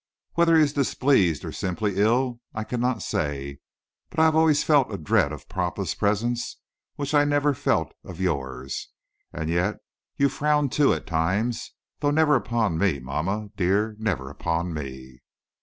Whether he is displeased or simply ill I cannot say, but I have always felt a dread of papa's presence which I never felt of yours; and yet you frown, too, at times, though never upon me, mamma, dear never upon me."